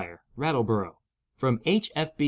Rattleborough From H.F.B.